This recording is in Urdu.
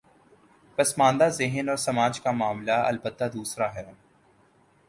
پس ماندہ ذہن اور سماج کا معاملہ البتہ دوسرا ہے۔